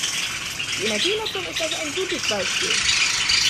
Die Energienutzung ist dafür ein gutes Beispiel.